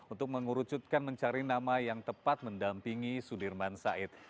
untuk mengurucutkan mencari nama yang tepat mendampingi sudirman said